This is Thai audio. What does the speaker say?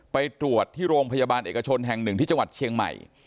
ไปตรวจที่โรงพยาบาลเอกชนแห่งหนึ่งที่จังหวัดเชียงใหม่